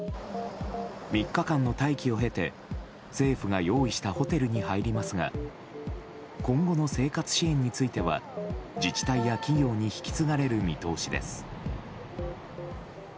３日間の待機を経て政府が用意したホテルに入りますが今後の生活支援については自治体や企業に引き継がれる見通しです。